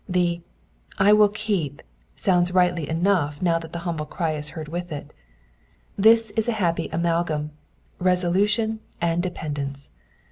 The I will keep " sounds rightly enough now that the humble cry is heard with it. This is a happy amalgam : resolution and dependence.